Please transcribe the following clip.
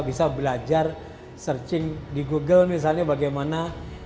bisa belajar searching di google misalnya bagaimana